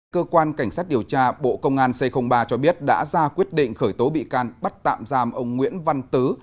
cơ quan cảnh sát điều tra bộ công an c ba cho biết đã ra quyết định khởi tố bị can bắt tạm giam ông nguyễn văn tứ